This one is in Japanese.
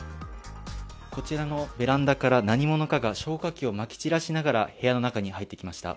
こちらのベランダから何者かが消火器をまき散らしながら部屋の中に入ってきました。